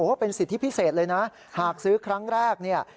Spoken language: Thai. ว่าเป็นสิทธิพิเศษเลยนะหากซื้อครั้งแรกเนี่ย